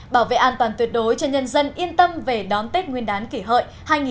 bảo vệ an toàn tuyệt đối cho nhân dân yên tâm về đón tết nguyên đán kỷ hợi hai nghìn một mươi chín